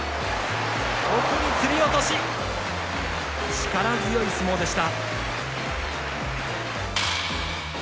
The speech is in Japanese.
力強い相撲でした。